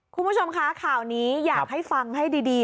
คุณผู้ชมคะข่าวนี้อยากให้ฟังให้ดี